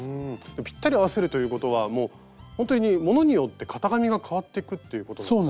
ぴったり合わせるということはもうほんとにものによって型紙が変わっていくっていうことなんですか？